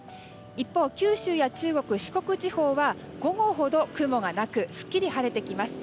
一方、九州や中国・四国地方は午後ほど雲がなくすっきり晴れてきます。